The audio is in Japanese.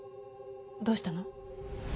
どうしたの？